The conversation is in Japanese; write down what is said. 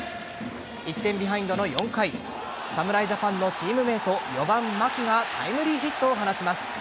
１点ビハインドの４回侍ジャパンのチームメイト４番・牧がタイムリーヒットを放ちます。